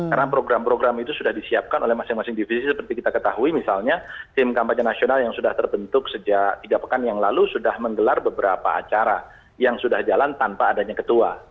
karena program program itu sudah disiapkan oleh masing masing divisi seperti kita ketahui misalnya tim kampanye nasional yang sudah tertentu sejak tiga pekan yang lalu sudah menggelar beberapa acara yang sudah jalan tanpa adanya ketua